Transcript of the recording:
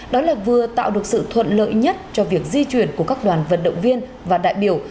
đó là vừa tạo được sự thuận lợi nhất cho việc di chuyển của các đoàn vận động viên và đại biểu